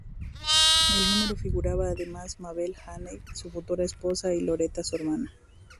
En el número figuraban además Mabel Haney, su futura esposa, y Loretta, su hermana.